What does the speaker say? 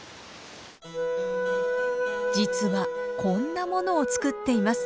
実はこんなものを作っています。